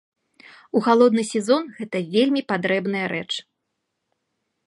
У халодны сезон гэта вельмі патрэбная рэч.